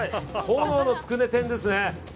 炎のつくね天ですね！